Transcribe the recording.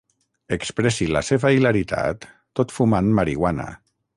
Expressi la seva hilaritat tot fumant marihuana.